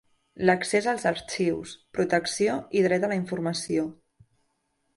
L'accés als arxius: protecció i dret a la informació.